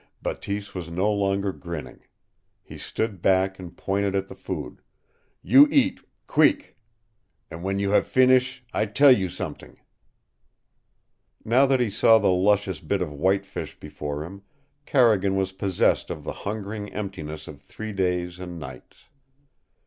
Bateese was no longer grinning. He stood back and pointed at the food. "You eat queek. An' when you have finish' I tell you somet'ing!" Now that he saw the luscious bit of whitefish before him, Carrigan was possessed of the hungering emptiness of three days and nights.